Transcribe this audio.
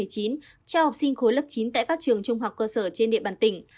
cho học sinh khối lớp chín tại các trường trung học cơ sở trên địa bàn tỉnh